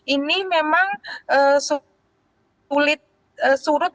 ini memang sulit surut